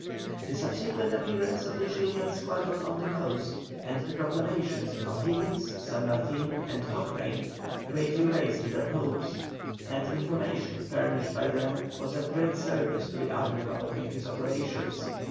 The subsequent appearance of the Chilian squadron on the coast, and the proclamations of O'Higgins, San Martin, and Cochrane, greatly raised their hopes, and information furnished by them was of great service to the admiral in his operations.